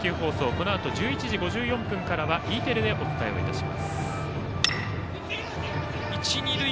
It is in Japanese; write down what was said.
このあと１１時５４分からはＥテレでお伝えをします。